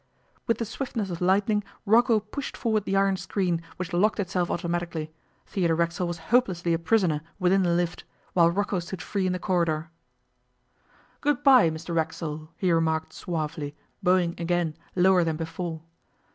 With the swiftness of lighting Rocco pushed forward the iron screen, which locked itself automatically. Theodore Racksole was hopelessly a prisoner within the lift, while Rocco stood free in the corridor. 'Good bye, Mr Racksole,' he remarked suavely, bowing again, lower than before.